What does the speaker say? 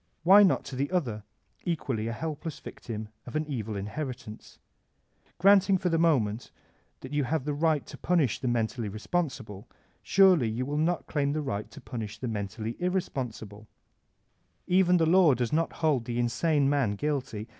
Why not to the other, equally a helpless victim of an evil inheritance ? Granting for the moment that you have the right to punish the mentally responsible, sorely yoa win not claim the right to punbh the mentally irr^ l86 VOLTAIVKB 0B ClCYKK sponsible I Even the law does not hold the insane nan guilty.